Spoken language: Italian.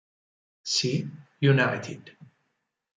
C. United.